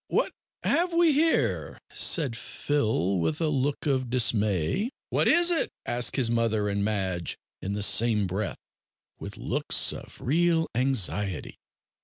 what have we here?" said Phil, with a look of dismay. "What is it?" asked his mother and Madge in the same breath, with looks of real anxiety.